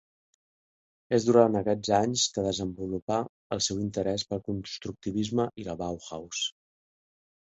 És durant aquests anys, que desenvolupa el seu interès pel constructivisme i la Bauhaus.